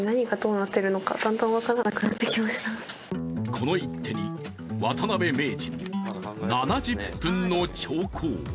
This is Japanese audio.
この一手に渡辺名人、７０分の長考。